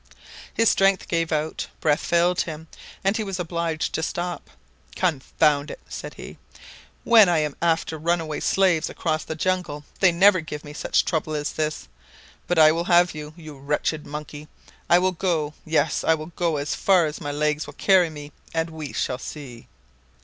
His strength gave out, breath failed him, and he was obliged to stop. "Confound it!" said he, "when I am after runaway slaves across the jungle they never give me such trouble as this! But I will have you, you wretched monkey! I will go, yes, I will go as far as my legs will carry me, and we shall see!"